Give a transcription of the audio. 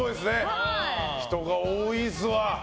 人が多いですわ。